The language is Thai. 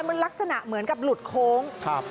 มันลักษณะเหมือนกับหลุดโค้งครับ